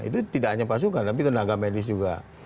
itu tidak hanya pasukan tapi tenaga medis juga